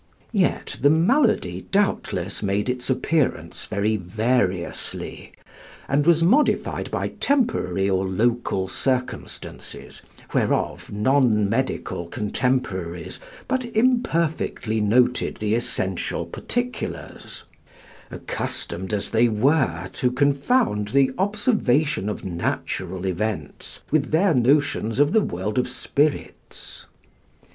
Yet the malady doubtless made its appearance very variously, and was modified by temporary or local circumstances, whereof non medical contemporaries but imperfectly noted the essential particulars, accustomed as they were to confound their observation of natural events with their notions of the world of spirits.